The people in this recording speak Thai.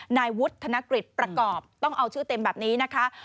นายวุฒนกฤษประกอบต้องเอาชื่อเต็มแบบนี้นะคะ